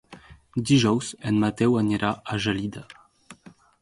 Dijous en Mateu anirà a Gelida.